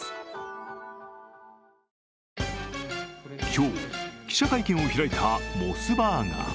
今日、記者会見を開いたモスバーガー。